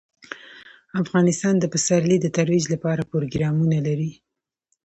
افغانستان د پسرلی د ترویج لپاره پروګرامونه لري.